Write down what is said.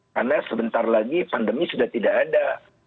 karena sebentar lagi pandemi sudah tidak ada